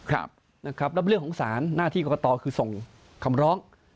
แล้วเรื่องของสารหน้าที่กรกตคือส่งคำร้อง